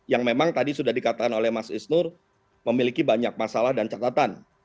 yang memang tadi sudah dikatakan oleh mas isnur memiliki banyak masalah dan catatan